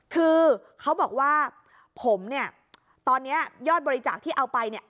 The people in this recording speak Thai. คือเขาบอกว่าผมเนี่ยตอนนี้ยอดบริจาคที่เอาไปเนี่ย